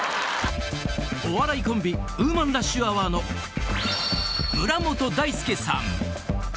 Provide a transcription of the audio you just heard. お笑いコンビウーマンラッシュアワーの村本大輔さん。